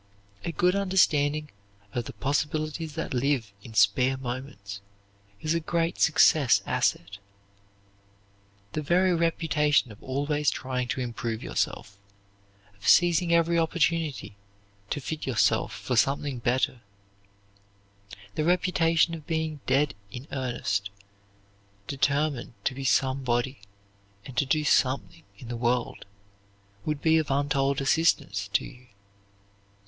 A good understanding of the possibilities that live in spare moments is a great success asset. The very reputation of always trying to improve yourself, of seizing every opportunity to fit yourself for something better, the reputation of being dead in earnest, determined to be somebody and to do something in the world, would be of untold assistance to you.